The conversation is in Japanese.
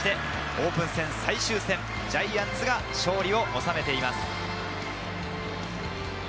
オープン戦最終戦、ジャイアンツが勝利を収めています。